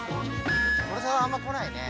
所沢あんま来ないね。